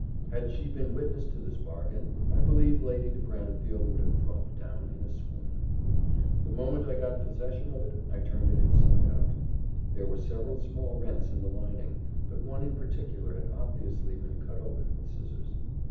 Had she been witness to this bargain, I believe Lady De Brantefield would have dropped down in a swoon. The moment I got possession of it, I turned it inside out. There were several small rents in the lining but one in particular had obviously been cut open with scissars.